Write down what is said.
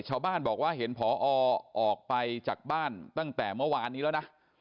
ชาวบ้านบอกว่าเห็นผอออกไปจากบ้านตั้งแต่เมื่อวานนี้แล้วนะ